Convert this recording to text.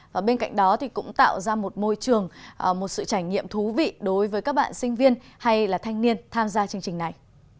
và bên cạnh đó thì cũng tạo ra một môi trường một sự trải nghiệm thú vị đối với các bạn sinh viên hay là thanh niên tham gia chương trình này